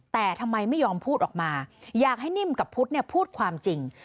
แต่ทำไมไม่ยอมพูดออกมาอยากให้นิ่มกับพุทธเนี่ยพูดความจริง